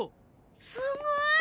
すごい！